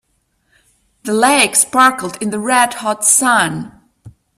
The lake sparkled in the red hot sun.